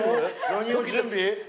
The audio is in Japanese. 何を準備？